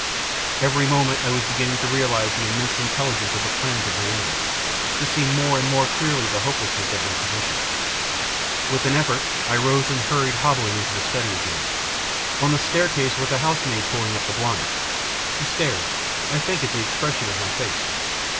Every moment I was begin ning to realise the immense intelligence of the plans of my enemy, to see more and more clearly the hopelessness of my position. With an effort I rose and hurried hobbling into the study again. On the staircase was a housemaid pulling up the blinds. She stared, I think, at the expression of my face.